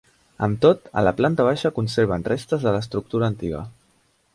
Amb tot, a la planta baixa conserven restes de l'estructura antiga.